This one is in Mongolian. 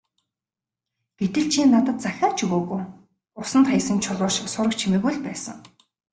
Гэтэл чи надад захиа ч өгөөгүй, усанд хаясан чулуу шиг сураг чимээгүй л байсан.